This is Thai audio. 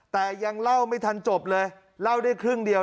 แต่ยังเล่าไม่ทันจบเลยเล่าได้ครึ่งเดียว